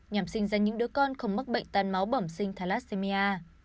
nhằm sinh ra những đứa con không mắc bệnh tan máu bẩm sinh thalassemia